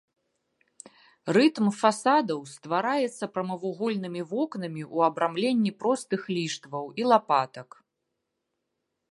Рытм фасадаў ствараецца прамавугольнымі вокнамі ў абрамленні простых ліштваў і лапатак.